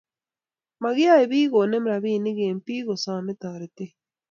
Magiyae biik konem robinik eng biik chesome toretet